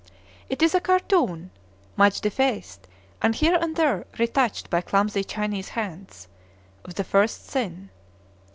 It is a cartoon (much defaced, and here and there re touched by clumsy Chinese hands) of The First Sin.